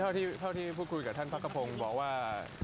เมื่อกี้เท่าที่พูดคุยกับท่านพระกระโพงบอกว่า